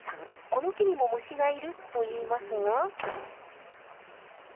この木にも虫がいると言いますが。